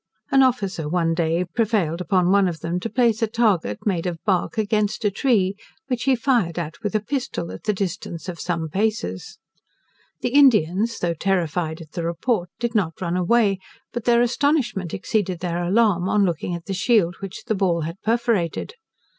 An officer one day prevailed on one of them to place a target, made of bark, against a tree, which he fired at with a pistol, at the distance of some paces. The Indians, though terrified at the report, did not run away, but their astonishment exceeded their alarm, on looking at the shield which the ball had perforated.